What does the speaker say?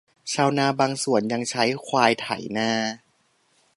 ชาวนาบางส่วนยังใช้ควายไถนา